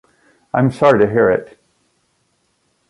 I am sorry to hear it.